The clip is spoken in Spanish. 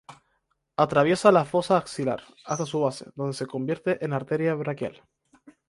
Atraviesa la "fosa axilar" hasta su base, donde se convierte en arteria braquial.